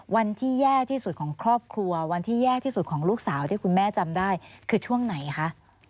วันที่แย่ที่สุดของครอบครัววันที่แย่ที่สุดของลูกสาวที่คุณแม่จำได้คือช่วงไหนคะ